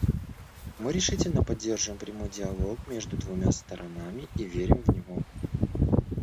Мы решительно поддерживаем прямой диалог между двумя сторонами и верим в него.